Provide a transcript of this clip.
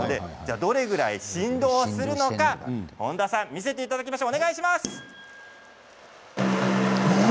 どのくらい振動するのか本田さん見せていただきましょう。